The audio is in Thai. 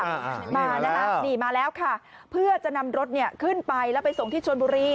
มานะคะนี่มาแล้วค่ะเพื่อจะนำรถเนี่ยขึ้นไปแล้วไปส่งที่ชนบุรี